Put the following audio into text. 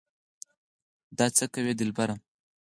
دا څه کوې دلبره